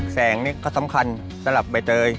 แสงนี่ก็สำคัญสำหรับใบเตย